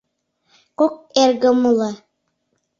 — Кок эргым уло.